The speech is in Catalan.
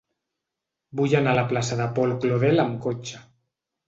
Vull anar a la plaça de Paul Claudel amb cotxe.